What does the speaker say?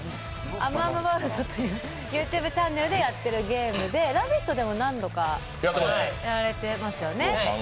「あむあむＷＯＲＬＤ」というＹｏｕＴｕｂｅチャンネルでやっているゲームで「ラヴィット！」でも何回かやられてますよね。